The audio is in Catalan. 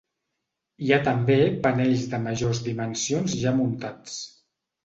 Hi ha també panells de majors dimensions ja muntats.